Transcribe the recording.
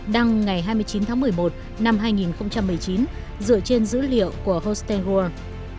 đăng ngày hai mươi chín tháng một mươi một năm hai nghìn một mươi chín dựa trên dữ liệu của hostel world